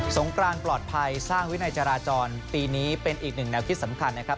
งกรานปลอดภัยสร้างวินัยจราจรปีนี้เป็นอีกหนึ่งแนวคิดสำคัญนะครับ